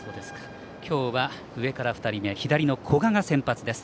今日は上から２人目左の古賀が先発です。